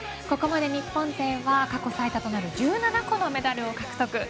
ここまで日本勢は過去最多となる１７個のメダルを獲得。